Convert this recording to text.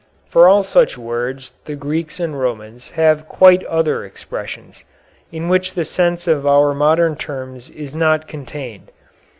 For all such words the Greeks and Romans have quite other expressions, in which the sense of our modern terms is not contained.